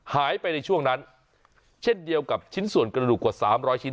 หายไปในช่วงนั้นเช่นเดียวกับชิ้นส่วนกระดูกกว่า๓๐๐ชิ้น